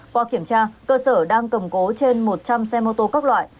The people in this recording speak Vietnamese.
qua kiểm tra cơ sở đang cầm cố trên một trăm linh xe mô tô các loại